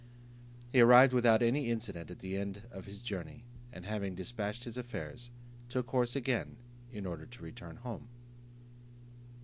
He arrived without any accident at the end of his journey; and having dispatched his affairs, took horse again, in order to return home.